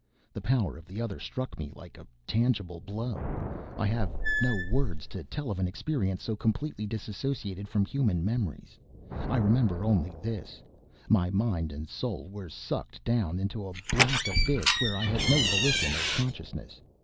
The power of the Other struck me like a tangible blow. I have no words to tell of an experience so completely disassociated from human memories. I remember only this: my mind and soul were sucked down into a black abyss where I had no volition or consciousness.